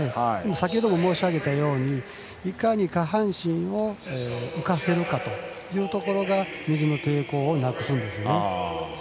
先ほど申し上げたようにいかに下半身を浮かせるかというところが水の抵抗をなくすんですね。